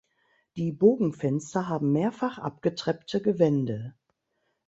Die Bogenfenster haben mehrfach abgetreppte Gewände.